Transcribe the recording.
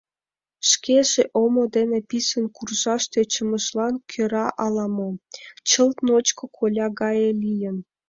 Шкеже омо дене писын куржаш тӧчымыжлан кӧра ала-мо, чылт ночко коля гае лийын.